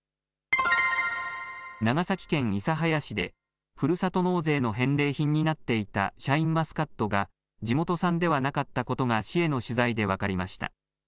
長崎県諫早市でふるさと納税の返礼品になっていたシャインマスカットが地元産ではなかったことが市への取材で分かりました。